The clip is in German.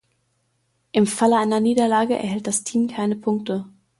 Im Falle einer Niederlage erhält das Team keine Punkte.